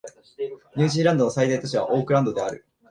ニュージーランドの最大都市はオークランドである